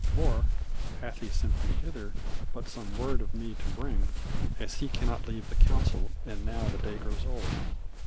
Or hath he sent thee hither but some word of me to bring As he cannot leave the council, and now the day grows old?"